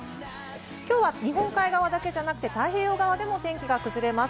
きょうは日本海側だけじゃなくて、太平洋側でも天気が崩れます。